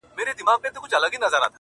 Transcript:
o نن شپه د ټول كور چوكيداره يمه،